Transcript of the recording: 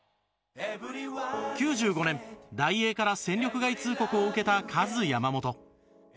９５年、ダイエーから戦力外通告を受けた、カズ山本